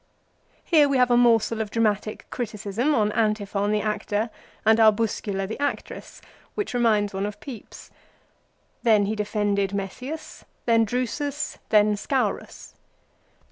Here we have a morsel of dramatic criticism on Antiphon the actor and Arbuscula the actress, which re minds one of Pepys. Then he defended Messius, then Drusus, then Scaurus.